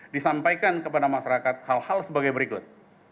disampaikan kepada masyarakat hal hal sebagai berikut